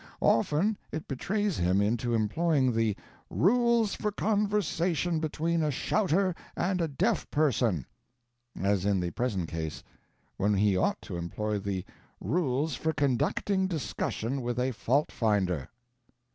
Often it betrays him into employing the RULES FOR CONVERSATION BETWEEN A SHOUTER AND A DEAF PERSON as in the present case when he ought to employ the RULES FOR CONDUCTING DISCUSSION WITH A FAULT FINDER.